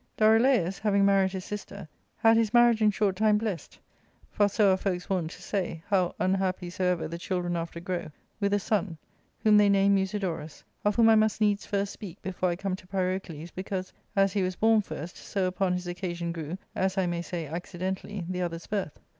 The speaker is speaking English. Dorilaus, having married his sister, had his marriage in short time blest (for so are folks wont to say, how unhappy soever the children after grow) with a son, whom they named Musidorus : of whom I must needs first speak before I come to Pyrocles, because, as he was born first, so upon his occasion grew — as I may say, accidentally — the other's birth.